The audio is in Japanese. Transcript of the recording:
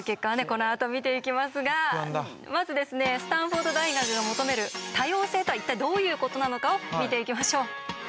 このあと見ていきますがまずですねスタンフォード大学が求める多様性とは一体どういうことなのかを見ていきましょう。